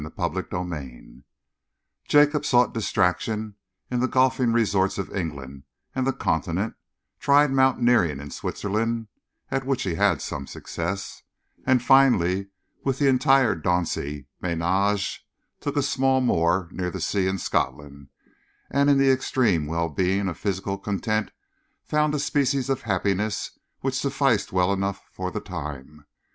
CHAPTER XI Jacob sought distraction in the golfing resorts of England and the Continent, tried mountaineering in Switzerland, at which he had some success, and finally, with the entire Dauncey ménage, took a small moor near the sea in Scotland, and in the extreme well being of physical content found a species of happiness which sufficed well enough for the time.